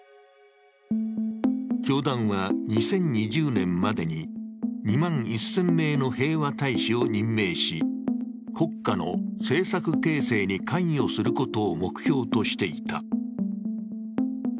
教団は２０２０年までに２万１０００名の平和大使を任命し国家の政策形成に関与することを目標としていた。